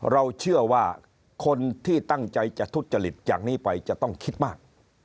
เราเชื่อว่าคนที่ตั้งใจจะทุจริตจากนี้ไปจะต้องคิดมาก